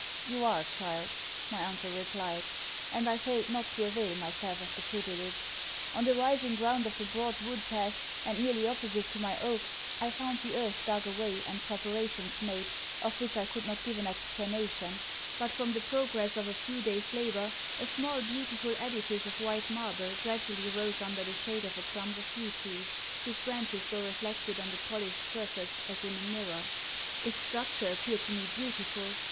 'You are, child,' my uncle replied; and I failed not to avail myself of the privilege. On the rising ground of the broad wood path, and nearly opposite to my oak, I found the earth dug away, and preparations made, of which I could not give an explanation; but from the progress of a few days labour, a small beautiful edifice of white marble gradually rose under the shade of a clump of yew trees, whose branches were reflected on the polished surface as in a mirror. Its structure appeared to me beautiful.